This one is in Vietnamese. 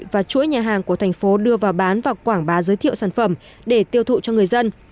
và chuỗi nhà hàng của thành phố đưa vào bán và quảng bá giới thiệu sản phẩm để tiêu thụ cho người dân